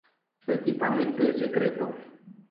Su equipamiento es secreto.